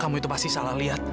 kamu itu pasti salah lihat